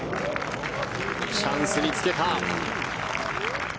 チャンスにつけた！